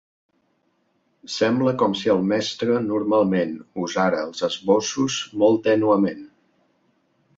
Sembla com si el mestre normalment usara els esbossos molt tènuement.